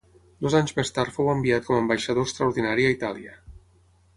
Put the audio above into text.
Dos anys més tard fou enviat com a ambaixador extraordinari a Itàlia.